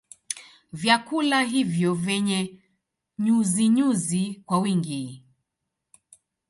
Vyakula hivyo vyenye nyuzinyuzi kwa wingi